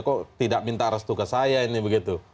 kok tidak minta restu ke saya ini begitu